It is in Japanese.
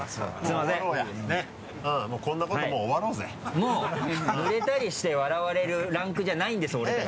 もうぬれたりして笑われるランクじゃないんです俺たち。